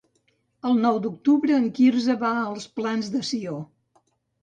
El nou d'octubre en Quirze va als Plans de Sió.